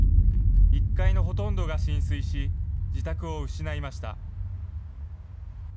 １階のほとんどが浸水し、自宅を失いました。